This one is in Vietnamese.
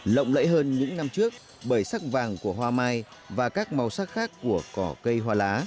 lộng lẫy hơn những năm trước bởi sắc vàng của hoa mai và các màu sắc khác của cỏ cây hoa lá